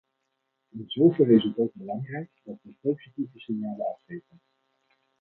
In zover is het ook belangrijk dat we positieve signalen afgeven.